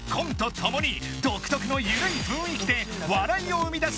ともに独特のゆるい雰囲気で笑いを生み出す